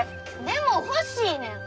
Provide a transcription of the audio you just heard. でも欲しいねん。